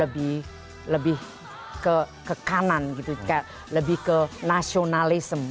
lebih lebih ke kanan gitu lebih ke nationalism